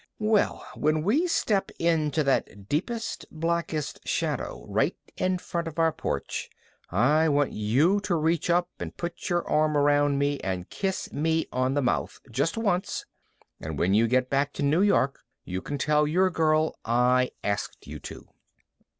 "Well, when we step into that deepest, blackest shadow, right in front of our porch, I want you to reach up, and put your arm around me and kiss me on the mouth, just once. And when you get back to New York you can tell your girl I asked you to."